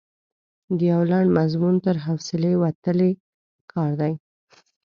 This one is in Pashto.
د یو لنډ مضمون تر حوصلې وتلی کار دی.